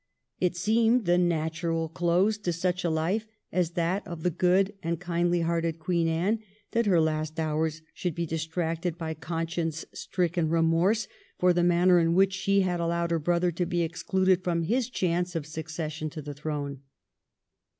It seemed the natural close to such a life as that of the good and kindly hearted Queen Anne that her last hours should be distracted by conscience stricken remorse for the manner in which she had allowed her brother to be excluded from his chance of succession to the throne.